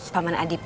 dari mana kamu